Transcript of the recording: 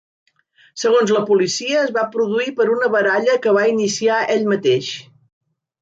Segons la policia es va produir per una baralla que va iniciar ell mateix.